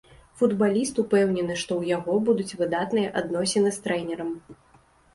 Футбаліст ўпэўнены, што ў яго будуць выдатныя адносіны з трэнерам.